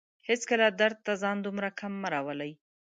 هيڅکله درد ته ځان دومره کم مه راولئ